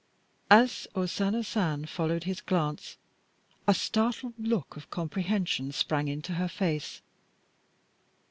As O Sana San followed his glance, a startled look of comprehension sprang into her face.